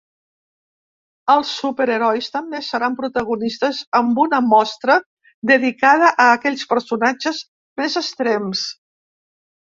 Els superherois també seran protagonistes amb una mostra dedicada a aquells personatges més extrems.